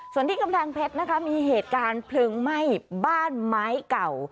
ส่วนที่กำแพงเพชรนะคะมีเหตุการณ์เพลิงไหม้บ้านไม้เก่า